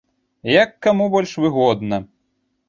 Як каму больш выгодна.